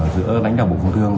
giữa lãnh đạo bộ công thương